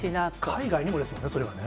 海外にもですよね、それはね。